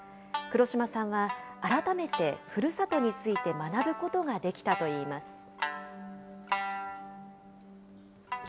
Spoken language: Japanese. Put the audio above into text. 黒島さんは、改めてふるさとについて学ぶことができたといいます。